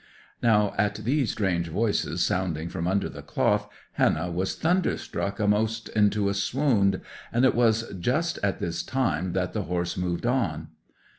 'Now at these strange voices sounding from under the cloth Hannah was thunderstruck a'most into a swound; and it was just at this time that the horse moved on.